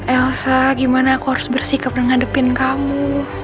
elsa gimana aku harus bersikap ngadepin kamu